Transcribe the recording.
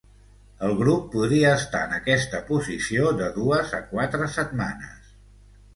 El grup podria estar en aquesta posició de dues a quatre setmanes.